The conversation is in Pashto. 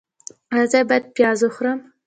ایا زه باید پیاز وخورم؟